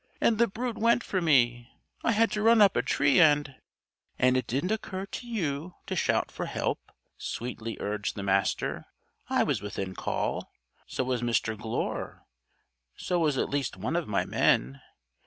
And the brute went for me. I had to run up a tree and " "And it didn't occur to you to shout for help?" sweetly urged the Master. "I was within call. So was Mr. Glure. So was at least one of my men.